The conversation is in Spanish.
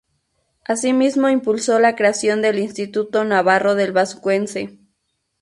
Asimismo impulsó la creación del Instituto Navarro del Vascuence.